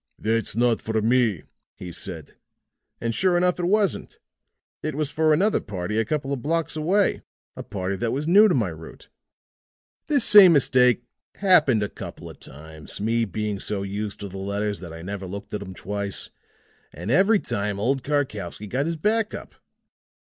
"'That's not for me,' he said. And sure enough it wasn't. It was for another party a couple of blocks away a party that was new to my route. This same mistake happened a couple of times me being so used to the letters that I never looked at 'em twice and every time old Karkowsky got his back up.